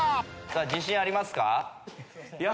自信ありますか？